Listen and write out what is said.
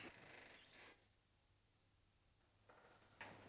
selamat malam silahkan